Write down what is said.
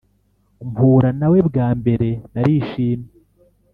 mpura nawe bwambere narishimye.